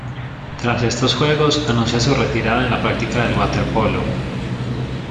Tras estos Juegos, anuncia su retirada de la práctica del waterpolo.